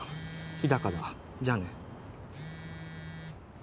日高だじゃあね